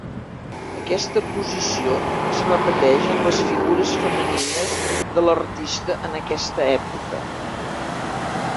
Aquesta posició es repeteix en les figures femenines de l'artista en aquesta època.